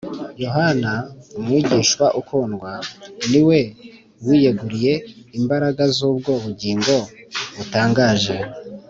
yohana, umwigishwa ukundwa, ni we wiyeguriye imbaraga z’ubwo bugingo butangaje